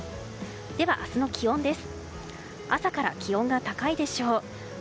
では、明日の気温です。